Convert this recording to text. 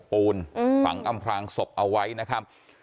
ฆ่าโบกปูลอืมฝังอำพรางศพเอาไว้นะครับ